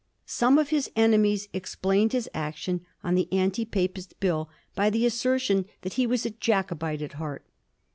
Some of his ene mies explained his action on the anti Papist Bill by the assertion that he was a Jacobite at heart.